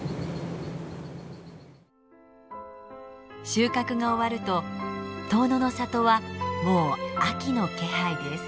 収穫が終わると遠野の里はもう秋の気配です。